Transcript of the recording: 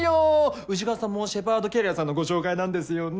宇治川さんもシェパードキャリアさんのご紹介なんですよね？